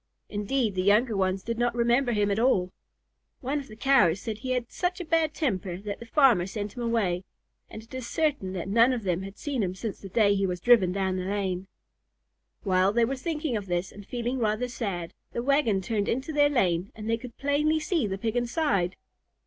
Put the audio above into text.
Indeed the younger ones did not remember him at all. One of the Cows said he had such a bad temper that the farmer sent him away, and it is certain that none of them had seen him since the day he was driven down the lane. While they were thinking of this and feeling rather sad, the wagon turned into their lane and they could plainly see the Pig inside.